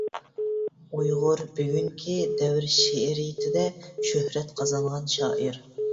ئۇيغۇر بۈگۈنكى دەۋر شېئىرىيىتىدە شۆھرەت قازانغان شائىر.